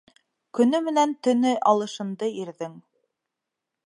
Көнө менән төнө алышынды ирҙең.